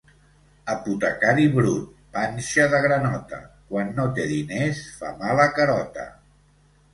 Apotecari brut, panxa de granota; quan no té diners, fa mala carota.